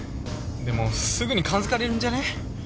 でもすぐに感づかれるんじゃねえ？